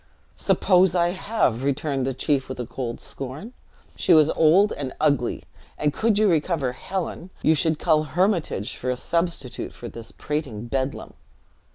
"Suppose I have!" returned the chief with a cold scorn; "she was old and ugly; and could you recover Helen, you should cull Hermitage, for a substitute for this prating bedlam."